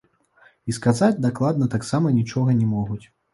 І сказаць дакладна таксама нічога не могуць.